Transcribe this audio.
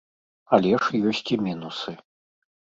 Але ж ёсць і мінусы.